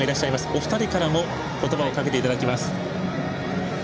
お二人からも言葉をかけていただきます。